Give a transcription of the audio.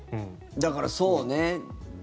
だから、そうね。